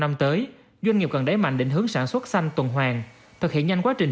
năm tới doanh nghiệp cần đáy mạnh định hướng sản xuất xanh tuần hoàng thực hiện nhanh quá trình